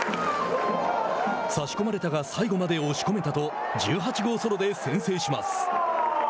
「差し込まれたが最後まで押し込めた」と１８号ソロで先制します。